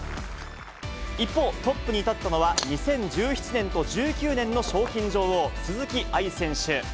一方、トップに立ったのは、２０１７年と１９年の賞金女王、鈴木愛選手。